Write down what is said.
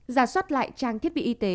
giả soát lại trang thiết bị y tế